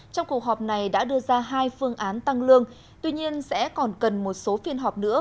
trong cuộc họp này đã đưa ra hai phương án tăng lương tuy nhiên sẽ còn cần một số phiên họp nữa